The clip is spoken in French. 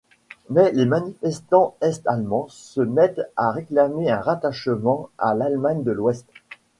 Mais les manifestants est-allemands se mettent à réclamer un rattachement à l'Allemagne de l'Ouest.